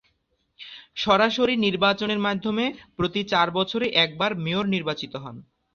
সরাসরি নির্বাচনের মাধ্যমে প্রতি চার বছরে একবার মেয়র নির্বাচিত হন।